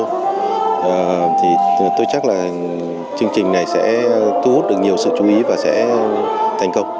thì tôi chắc là chương trình này sẽ thu hút được nhiều sự chú ý và sẽ thành công